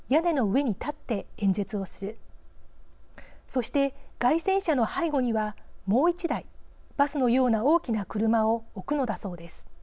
そして街宣車の背後にはもう１台バスのような大きな車を置くのだそうです。